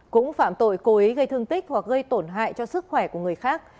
cũng phạm tội cố ý gây thương tích hoặc gây tổn hại cho sức khỏe của người khác